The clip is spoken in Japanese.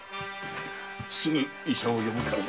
すぐ医者を呼ぶからな。